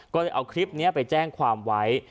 ก็เลยเอาคลิปนี้ไปแจ้งความไว้